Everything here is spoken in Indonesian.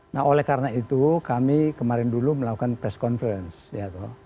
nah oleh karena itu kami kemarin dulu melakukan press conference ya